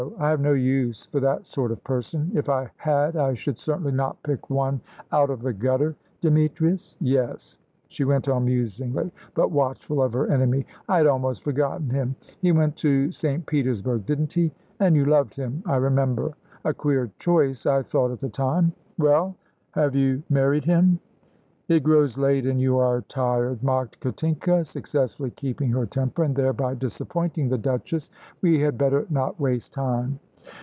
I have no use for that sort of person; if I had I should certainly not pick one out of the gutter. Demetrius? Yes," she went on musingly, but watchful of her enemy, "I had almost forgotten him. He went to St. Petersburg, didn't he? And you loved him, I remember. A queer choice I thought at the time. Well, have you married him?" "It grows late and you are tired," mocked Katinka, successfully keeping her temper, and thereby disappointing the Duchess; "we had better not waste time."